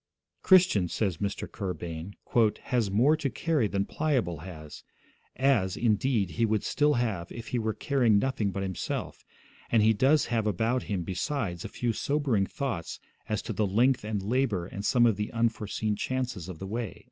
'Christian,' says Mr. Kerr Bain, 'has more to carry than Pliable has, as, indeed, he would still have if he were carrying nothing but himself; and he does have about him, besides, a few sobering thoughts as to the length and labour and some of the unforeseen chances of the way.'